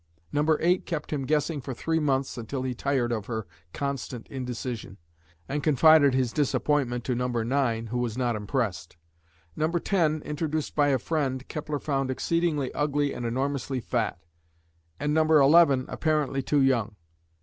Number eight kept him guessing for three months, until he tired of her constant indecision, and confided his disappointment to number nine, who was not impressed. Number ten, introduced by a friend, Kepler found exceedingly ugly and enormously fat, and number eleven apparently too young.